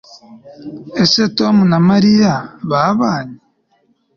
Ese Tom na Mariya babanye